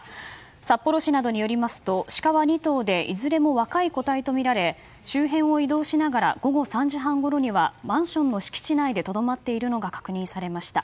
札幌市などによりますとシカは２頭でいずれも若い個体とみられ周辺を移動しながら午後３時半ごろにはマンションの敷地内でとどまっているのが確認されました。